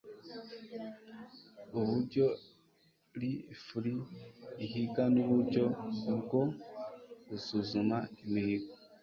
uburyo rfl ihiga n'uburyo bwo gusuzuma imihigo